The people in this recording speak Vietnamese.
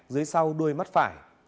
dưới sau đuôi mắt phải